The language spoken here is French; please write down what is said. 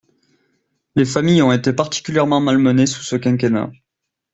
Les familles ont été particulièrement malmenées sous ce quinquennat.